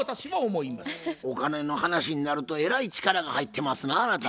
お金の話になるとえらい力が入ってますなあなた。